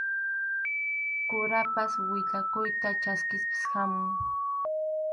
Kurapas willakuyta chaskispas hamun.